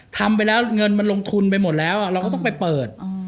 ทำไปแล้วเงินมันลงทุนไปหมดแล้วเราก็ต้องไปเปิด